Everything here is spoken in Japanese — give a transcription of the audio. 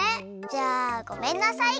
じゃあごめんなさい！